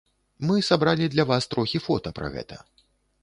Мы сабралі для вас трохі фота пра гэта.